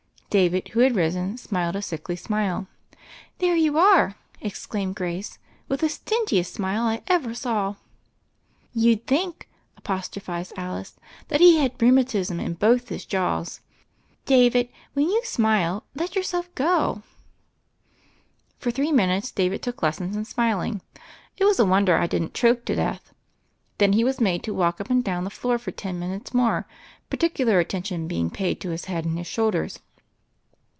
David, who had risen, smiled a sickly smile. "There you are," exclaimed Grace, "with the stingiest smile I ever saw." "You'd .think," apostrophized Alice, "that he had rheumatism in both his jaws. David, when you smile, let yourself go." For three minutes David took lessons in smil I THE FAIRY OF THE SNOWS 165 ing; it was a wonder I didn't choke to death. Then he was made to walk up and down the floor for ten minutes more, particular attention being paid to his head and his shoulders.